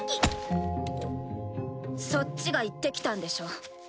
そっちが言ってきたんでしょ。